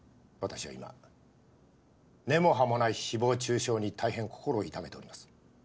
私は今根も葉もない誹謗中傷に大変心を痛めております。